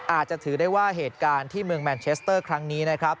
อาจจะถือได้ว่าเหตุการณ์ที่เมืองแมนเชสเตอร์ครั้งนี้นะครับ